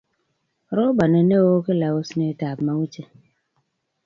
robani newon kila oset ab mauche